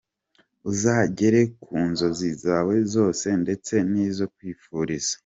Uzagere ku nzozi zawe zose ndetse n’izo nkwifuriza.